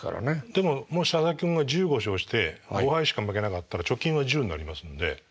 でももし佐々木君が１５勝して５敗しか負けなかったら貯金は１０になりますんで。